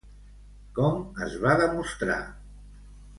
Com es va demostrar?